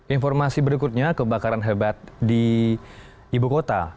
informasi berikutnya kebakaran hebat di ibu kota